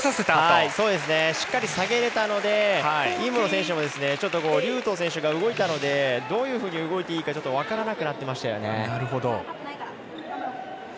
しっかり下げれたので尹夢ろ選手も劉禹とう選手が動いたのでどういうふうに動いていいか分からなくなってましたよね。